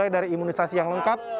betul dan kita harus menganggap